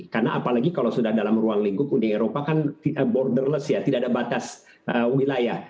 karena apalagi kalau sudah dalam ruang lingkung uni eropa kan borderless ya tidak ada batas wilayah